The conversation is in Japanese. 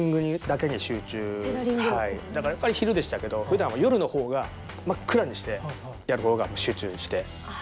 だからやっぱり昼でしたけどふだんは夜の方が真っ暗にしてやる方が集中してできますね。